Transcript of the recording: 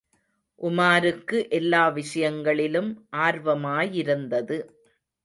உமாருக்கு எல்லா விஷயங்களிலும் ஆர்வமாயிருந்தது.